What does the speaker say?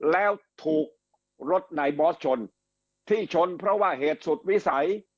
แล้วถูกรถนายบอสชนที่ชนเพราะว่าเหตุสุดวิสัย